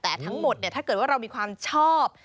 แต่ทั้งหมดถ้าเกิดว่าเรามีความชอบ